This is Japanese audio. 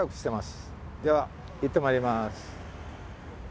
では行ってまいります。